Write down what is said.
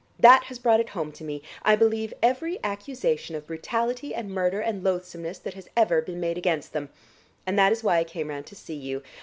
That has brought it home to me. I believe every accusation of brutality and murder and loathsomeness that has ever been made against them. And that is why I came round to see you.